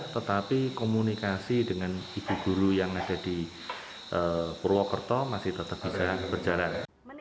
tetapi komunikasi dengan ibu guru yang ada di purwokerto masih tetap bisa berjalan